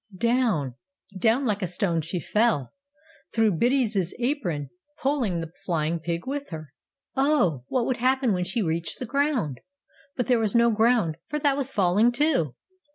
Down, down like a stone she fell, through Biddy's apron, pulling the Flying Pig with her! Oh! what would happen when she reached the ground? But there was no ground, for that was falling, too!